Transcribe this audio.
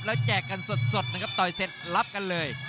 แล้วแจกกันสดนะครับต่อยเสร็จรับกันเลย